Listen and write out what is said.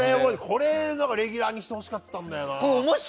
これはレギュラーにしてほしかったんだよな。